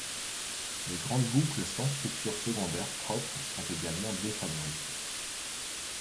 Les grandes boucles sans structure secondaire propre sont également défavorisées.